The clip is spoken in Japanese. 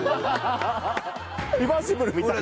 リバーシブルみたいに。